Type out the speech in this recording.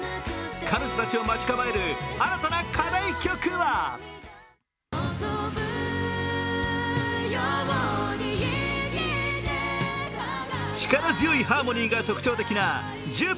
彼女たちを待ち構える新たな課題曲とは力強いハーモニーが特徴的な「Ｊｕｐｉｔｅｒ」。